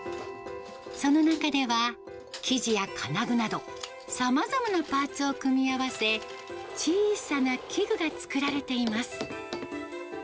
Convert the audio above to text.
その中では、生地や金具など、さまざまなパーツを組み合わせ、小さな器具が作られています。